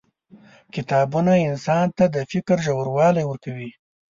• کتابونه انسان ته د فکر ژوروالی ورکوي.